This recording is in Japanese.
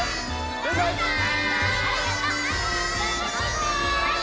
バイバーイ！